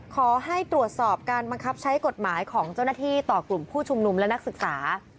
ขอให้ตรวจสอบการบังคับใช้กฎหมายของเจ้าหน้าที่ต่อกลุ่มผู้ชุมนุมและนักศึกษา